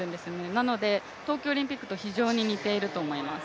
なので、東京オリンピックと非常に似ていると思います。